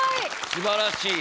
すばらしい。